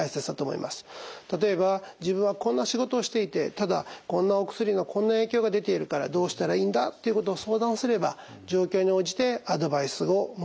例えば「自分はこんな仕事をしていてただこんなお薬のこんな影響が出ているからどうしたらいいんだ」ということを相談すれば状況に応じてアドバイスをもらえると思います。